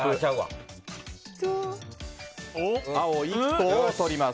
青１個を取ります。